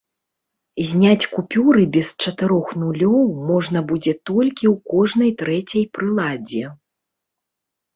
Зняць купюры без чатырох нулёў можна будзе толькі ў кожнай трэцяй прыладзе.